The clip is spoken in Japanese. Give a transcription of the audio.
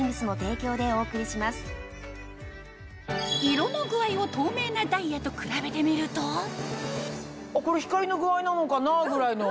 色の具合を透明なダイヤと比べてみるとこれ光の具合なのかな？ぐらいの。